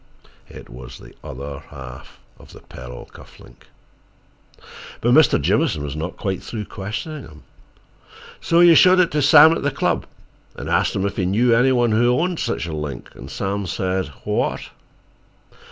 It was the other half of the pearl cuff link! But Mr. Jamieson was not quite through questioning him. "And so you showed it to Sam, at the club, and asked him if he knew any one who owned such a link, and Sam said—what?"